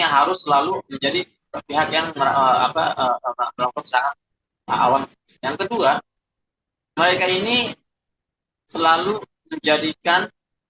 harus selalu menjadi pihak yang merah apa awal yang kedua mereka ini selalu menjadikan